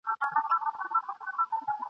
بس پرون چي می ویله ..